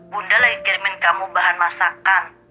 bunda lagi kirimin kamu bahan masakan